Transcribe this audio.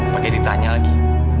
pak edith tanya lagi